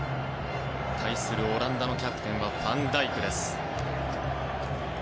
対するオランダのキャプテンはファンダイクです。